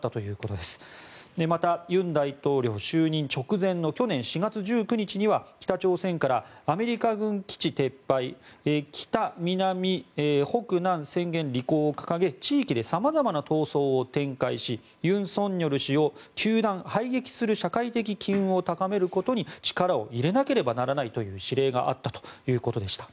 また、尹大統領就任直前の去年４月１９日には北朝鮮からアメリカ軍機地撤廃北、南、北南宣言履行を掲げ地域で様々な闘争を展開し尹錫悦氏を糾弾排撃する社会的機運を高めることに力を入れなければならないという指令があったということでした。